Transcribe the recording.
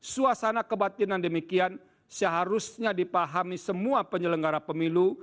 suasana kebatinan demikian seharusnya dipahami semua penyelenggara pemilu